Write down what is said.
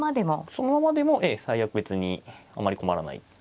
そのままでもええ最悪別にあまり困らない。